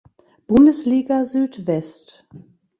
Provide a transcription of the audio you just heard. Bundesliga Südwest.